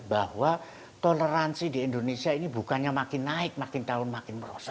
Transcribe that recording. bahwa toleransi di indonesia ini bukannya makin naik makin tahun makin merosot